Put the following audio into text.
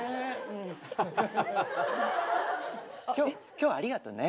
今日ありがとね